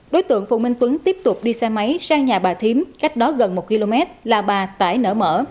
đối tượng phùng minh tuấn tiếp tục đi xe máy sang nhà bà thiếm cách đó gần một km là bà tải nở mở